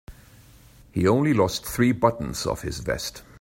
He only lost three buttons off his vest.